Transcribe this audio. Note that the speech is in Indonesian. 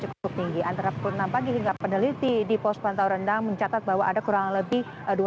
cukup tinggi antara pukul enam pagi hingga peneliti di pos pantau rendang mencatat bahwa ada kurang lebih